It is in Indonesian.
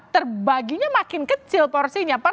tapi kalau misalnya pdip ikutan maksudnya itu bisa dijawab